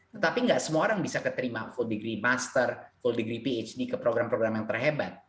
tetapi nggak semua orang bisa keterima full degree master full degree phd ke program program yang terhebat